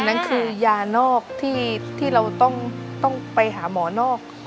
นั่นคือยานอกที่เราต้องไปหาหมอนอก